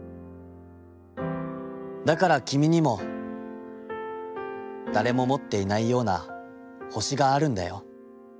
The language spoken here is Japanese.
だからきみにも、誰も持っていないような星があるんだよ』。